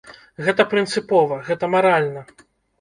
Гэта прынцыпова, гэта маральна.